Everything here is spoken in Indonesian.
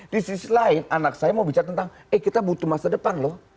di sisi lain anak saya mau bicara tentang eh kita butuh masa depan loh